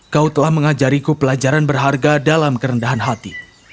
kau telah mengajariku pelajaran berharga dalam kerendahan hati